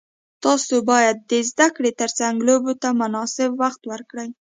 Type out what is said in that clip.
تاسو باید د زده کړې ترڅنګ لوبو ته مناسب وخت ورکړئ.